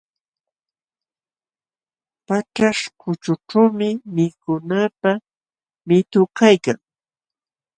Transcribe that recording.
Paćhaśhkućhućhuumi mikunapaq mitu kaykan.